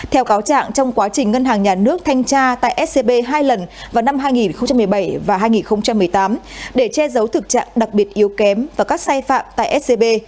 theo cáo trạng trong quá trình ngân hàng nhà nước thanh tra tại scb hai lần vào năm hai nghìn một mươi bảy và hai nghìn một mươi tám để che giấu thực trạng đặc biệt yếu kém và các sai phạm tại scb